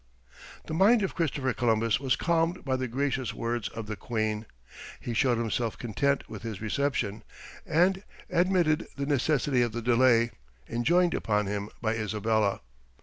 The mind of Christopher Columbus was calmed by the gracious words of the queen; he showed himself content with his reception, and admitted the necessity of the delay enjoined upon him by Isabella.